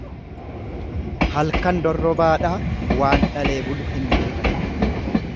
Halkan dorrobaadha waan dhalee bulu hin beekan.